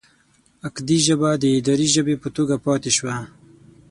اکدي ژبه د اداري ژبې په توګه پاتې شوه.